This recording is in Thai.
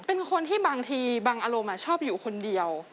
เป็นคนที่บางทีบางอารมณ์ชอบอยู่คนเดียว